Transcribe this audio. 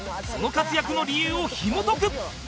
その活躍の理由をひもとく！